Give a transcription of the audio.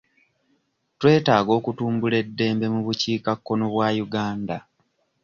Twetaaga okutumbula eddembe mu bukiikakkono bwa Uganda.